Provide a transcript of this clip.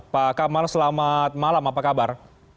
pak kamal selamat malam apa kabar